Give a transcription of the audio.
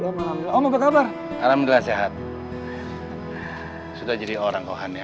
hahaha apa kabar kamu baik baik kabar alhamdulillah sehat sudah jadi orang kohannya